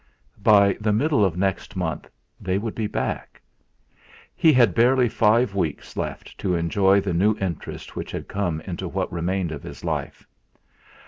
By the middle of next month they would be back. He had barely five weeks left to enjoy the new interest which had come into what remained of his life.